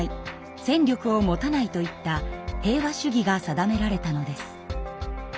戦力を持たないといった平和主義が定められたのです。